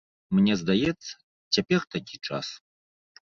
Мне здаецца, цяпер такі час.